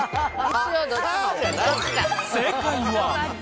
正解は。